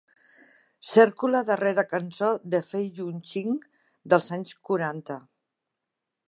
Cerco la darrera cançó de Fei Yu Ching dels anys quaranta.